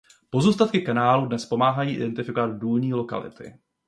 Pozůstatky kanálů dnes pomáhají identifikovat důlní lokality.